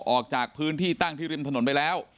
ออกจากพื้นที่ตั้งที่ริมถนนไปแล้ว